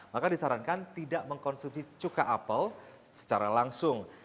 maka disarankan tidak mengkonsumsi cuka apel secara langsung